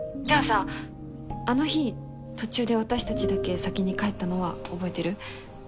じゃあさあの日途中で私たちだけ先に帰ったのは覚えてる？